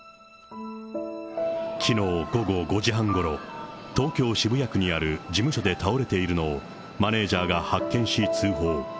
きのう午後５時半ごろ、東京・渋谷区にある事務所で倒れているのをマネージャーが発見し、通報。